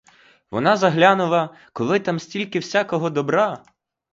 Вона заглянула, коли там стільки всякого добра!